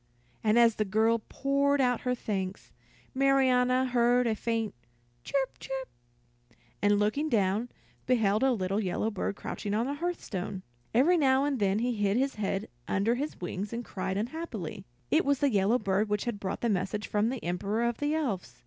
And as the girl poured out her thanks, Marianna heard a faint "chirp, chirp," and looking down, beheld a little yellow bird crouching on the hearthstone. Every now and then he hid his head under his wings and cried unhappily. It was the yellow bird which had brought the message from the Emperor of the Elves.